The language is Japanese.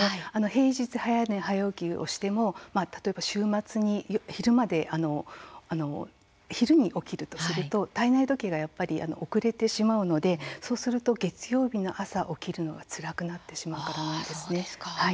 平日早寝早起きをしても例えば週末に昼まで昼に起きるとすると体内時計がやっぱり遅れてしまうのでそうすると月曜日の朝起きるのがつらくなってしまうからなんです。